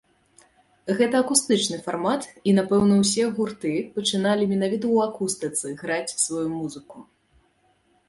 Гэта акустычны фармат, і, напэўна, усе гурты пачыналі менавіта ў акустыцы граць сваю музыку.